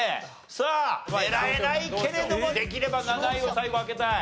さあ狙えないけれどもできれば７位を最後開けたい。